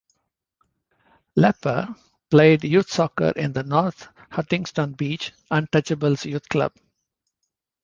Lapper played youth soccer in the North Huntington Beach Untouchables youth club.